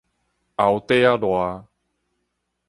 甌底亞賴